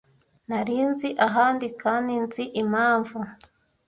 Nari nzi ahandi, kandi nzi impamvu